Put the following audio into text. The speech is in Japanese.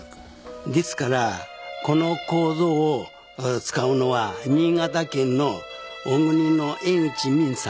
ですからこのコウゾを使うのは新潟県の小国の江口ミンさん。